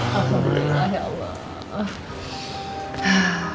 alhamdulillah ya allah